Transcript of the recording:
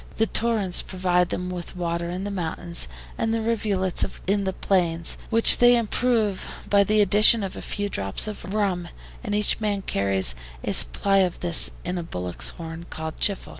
The torrents provide them with water in the mountains, and the rivulets in the plains, which they improve by the addition of a few drops of rum, and each man carries a supply of this in a bullock's horn, called CHIFFLE.